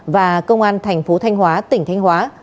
và công an thành phố thanh hóa tỉnh thanh hóa